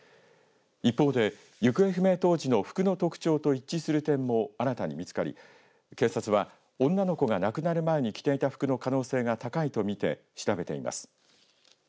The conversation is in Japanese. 一方で、行方不明当時の服の特徴と一致する点も新たに見つかり警察は、女の子が亡くなる前に着ていた服の可能性が高いとみて調べています。